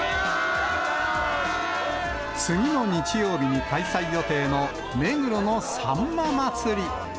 次の日曜日に開催予定の、目黒のさんま祭。